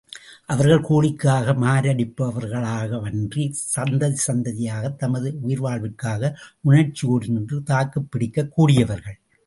அவர்கள் கூலிக்காக மாரடிப்பவர்களாகவன்றி சந்ததி சந்ததியாக தமது உயிர் வாழ்விற்காக உணர்ச்சியோடு நின்று தாக்குப்பிடிக்கக் கூடியவர்கள்.